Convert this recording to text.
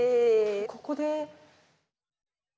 ここで？